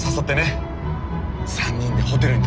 ３人でホテルに泊まる。